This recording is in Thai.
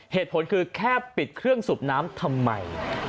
เหตุผลคือแค่ปิดเครื่องสูบน้ำทำไม